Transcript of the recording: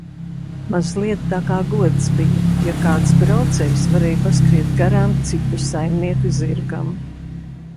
Mazliet tā kā gods bija, ja kāds braucējs varēja paskriet garām cita saimnieka zirgam.